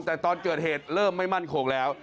แต่ตอนเกิดเหตุเริ่มไม่มั่นคงแล้ว